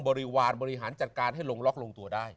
บริหารจัดการให้ลงล็อกลงตัวได้